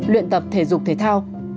luyện tập thể dục thể thao